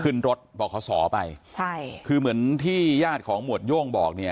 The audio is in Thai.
ขึ้นรถบอกขอสอไปใช่คือเหมือนที่ญาติของหมวดโย่งบอกเนี่ย